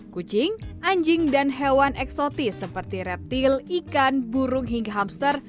kucing anjing dan hewan eksotis seperti reptil ikan burung hingga hamster